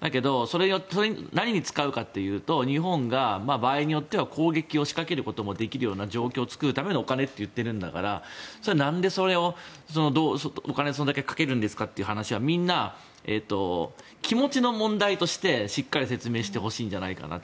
だけどそれを何に使うかというと日本が場合によっては攻撃を仕掛けるような状況を作るためにお金といっているんだからなんでお金を、それだけかけるんですかという話はみんな気持ちの問題としてしっかり説明してほしいんじゃないかなと。